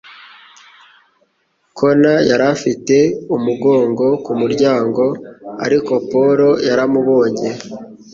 Connor yari afite umugongo ku muryango, ariko Paul yaramubonye.